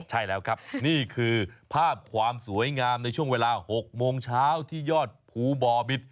ใช่แล้วครับนี่คือภาพความสวยงามในช่วงเวลา๖โมงเช้าที่ยอดภูบ่อบิต